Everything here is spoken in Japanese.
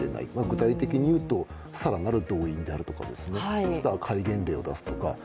具体的にいうと更なる動員であるとか戒厳令を出すとか。